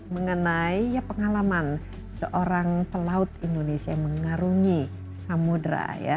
mengenai pengalaman seorang pelaut indonesia yang mengarungi samudera ya